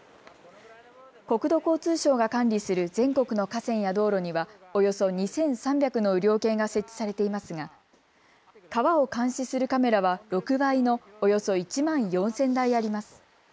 国土交通省が管理する全国の河川や道路にはおよそ２３００の雨量計が設置されていますが川を監視するカメラは６倍のおよそ１万４０００台あります。